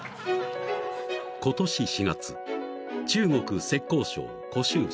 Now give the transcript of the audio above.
［今年４月中国浙江省湖州市］